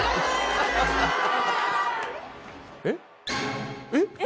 えっ！？